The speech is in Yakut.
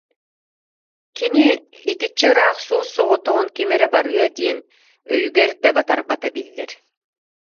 Кини итиччэ ыраах суос-соҕотоҕун ким эрэ барыа диэн өйүгэр да батарбата биллэр